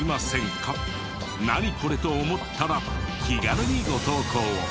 「ナニコレ？」と思ったら気軽にご投稿を。